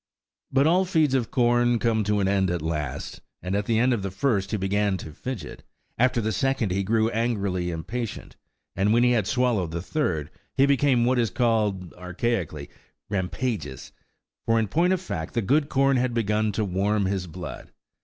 But all feeds of corn come to an end at last; and at the end of the first he began to fidget, after the second he grew angrily impatient, and when he had swallowed the third, he became what is called (archaically) rampageous, for in point of fact the good corn had begun to warm his blood.